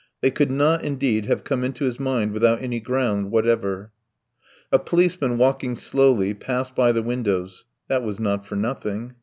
They could not, indeed, have come into his mind without any grounds whatever. A policeman walking slowly passed by the windows: that was not for nothing.